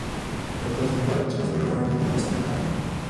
Proto vznikla i potřeba zbudování jejich vlastního chrámu.